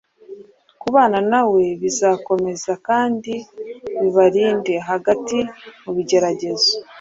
Kubana na We bizabakomeza kandi bibarinde. Hagati mu bigeragezo